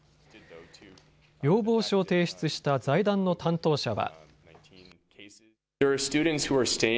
要望書を提出した財団の担当者は。